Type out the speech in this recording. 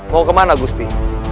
mau kemana gusti